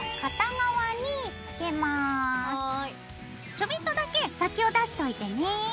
ちょびっとだけ先を出しといてね。